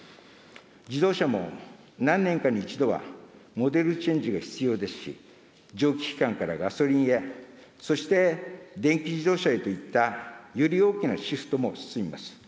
自動車も何年かに一度はモデルチェンジが必要ですし、蒸気機関からガソリンへ、そして電気自動車へといったより大きなシフトも進みます。